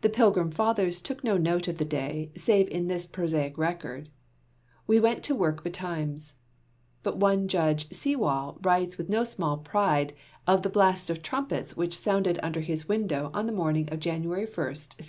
The Pilgrim fathers took no note of the day, save in this prosaic record: "We went to work betimes"; but one Judge Sewall writes with no small pride of the blast of trumpets which was sounded under his window, on the morning of January 1st, 1697.